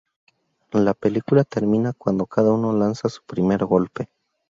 La película termina, cuando cada uno lanza su primer golpe.